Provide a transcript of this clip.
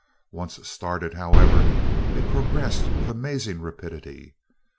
Once started, however, it progressed with amazing rapidity.